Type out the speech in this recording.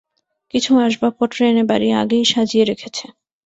কিছু আসবাবপত্র এনে বাড়ি আগেই সাজিয়ে রেখেছে।